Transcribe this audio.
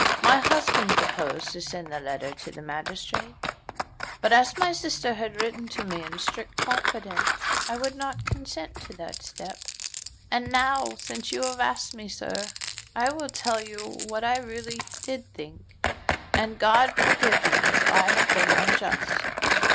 My husband proposed to send the letter to the magistrate; but as my sister had written to me in strict confidence, I would not consent to that step. And now, since you have asked me, sir, I will tell you what I really did think; and God forgive me if I have been unjust."